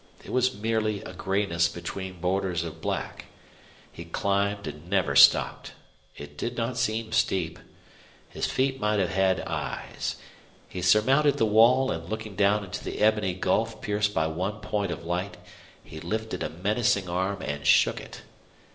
It was merely a grayness between borders of black. He climbed and never stopped. It did not seem steep. His feet might have had eyes. He surmounted the wall, and, looking down into the ebony gulf pierced by one point of light, he lifted a menacing arm and shook it.